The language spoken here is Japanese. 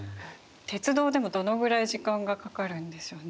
鉄道でもどのぐらい時間がかかるんでしょうね？